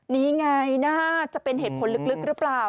นี่ไงน่าจะเป็นเหตุผลลึกหรือเปล่า